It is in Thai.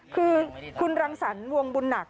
คือคุณรังสรรควงบุญหนัก